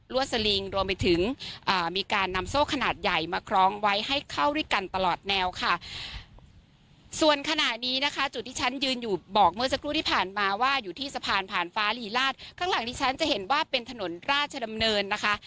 สลิงรวมไปถึงอ่ามีการนำโซ่ขนาดใหญ่มาคล้องไว้ให้เข้าด้วยกันตลอดแนวค่ะส่วนขณะนี้นะคะจุดที่ฉันยืนอยู่บอกเมื่อสักครู่ที่ผ่านมาว่าอยู่ที่สะพานผ่านฟ้าลีลาดข้างหลังที่ฉันจะเห็นว่าเป็นถนนราชดำเนินนะคะ